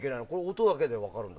音だけで分かるんだ。